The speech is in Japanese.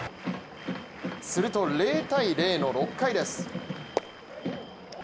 すると０−０の６回です。